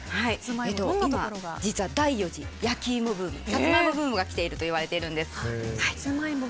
今、実は第４次焼き芋ブームサツマイモブームが来ていると言われているんです。